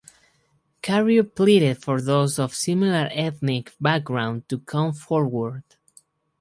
Carew pleaded for those of similar ethnic background to come forward.